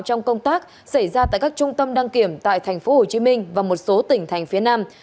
trong công tác xảy ra tại các trung tâm đăng kiểm tại tp hcm và một số tỉnh thành phía nam